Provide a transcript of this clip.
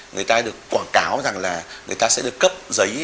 người ta được quảng cáo rằng là người ta sẽ được cấp giấy